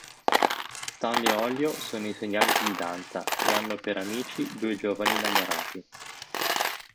Stanlio e Ollio sono insegnanti di danza, e hanno per amici due giovani innamorati.